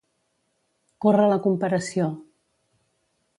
Córrer la comparació.